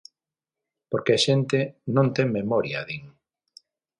Porque a xente "non ten memoria", din.